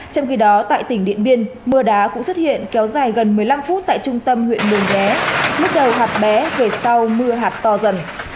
trong khi đó tại tỉnh điện biên mưa đá cũng xuất hiện kéo dài gần một mươi năm phút tại trung tâm huyện mường nhé bắt đầu hạt bé về sau mưa hạt to dần